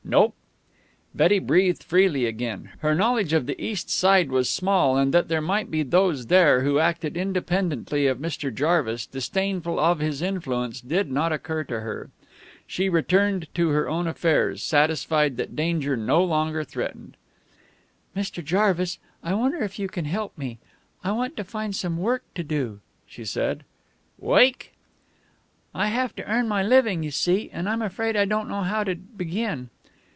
"Nope." Betty breathed freely again. Her knowledge of the East Side was small, and that there might be those there who acted independently of Mr. Jarvis, disdainful of his influence, did not occur to her. She returned to her own affairs, satisfied that danger no longer threatened. "Mr. Jarvis, I wonder if you can help me. I want to find some work to do," she said. "Woik?" "I have to earn my living, you see, and I'm afraid I don't know how to begin."